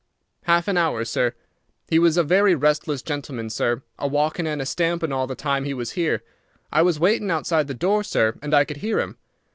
"Half an hour, sir. He was a very restless gentleman, sir, a walkin' and a stampin' all the time he was here. I was waitin' outside the door, sir, and I could hear him.